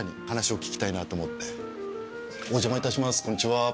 こんにちは。